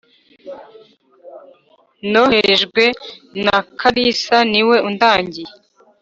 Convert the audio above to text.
noherejwe na kalisa niwe undangiye.